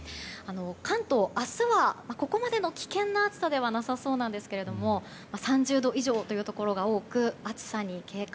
関東は明日はここまでの危険な暑さではなさそうですが３０度以上というところが多く暑さに警戒。